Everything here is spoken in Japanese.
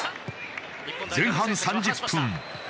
前半３０分。